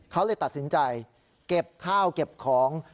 เขาเลยตัดสินใจเก็บข้าวเก็บของ